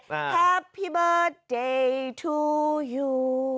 แฮปปี้เบิร์ดเดย์ทูยู